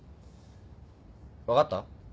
分かった？